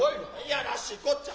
嫌らしいこっちゃ。